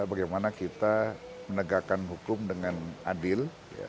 bagaimana kita menegakkan hukum dengan adil